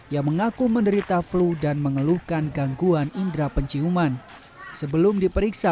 yang mengaku menderita flu dan mengeluhkan gangguan indera penciuman sebelum diperiksa